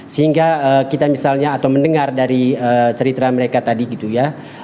sehingga kita misalnya atau mendengar dari cerita mereka tadi gitu ya